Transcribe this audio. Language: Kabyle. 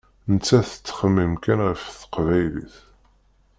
Nettat tettxemmim kan ɣef teqbaylit.